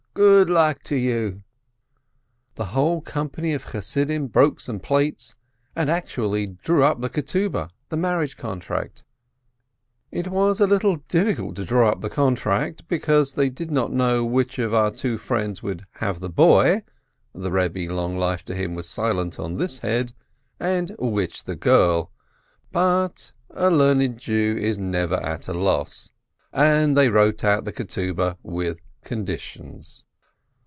Good luck to you !" The whole company of Chassidim broke some plates, and actually drew up the marriage contract. It was a little difficult to draw up the contract, because they did not know which of our two friends would have the boy (the Rebbe, long life to him, was silent on this head), and which, the girl, but — a learned Jew is never at a loss, and they wrote out the contract with conditions.